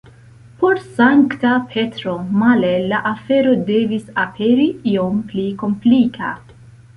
Por Sankta Petro, male, la afero devis aperi iom pli komplika.